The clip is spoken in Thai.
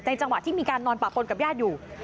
จังหวะที่มีการนอนปะปนกับญาติอยู่